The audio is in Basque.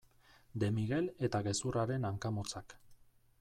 De Miguel eta gezurraren hanka motzak.